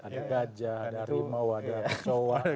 ada gajah ada rimau ada showa